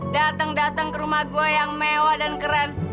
dateng dateng ke rumah gue yang mewah dan keren